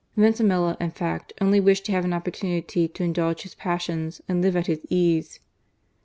Vintimilla, in fact, only wished to have an opportunity to indulge his passions and live at his ease.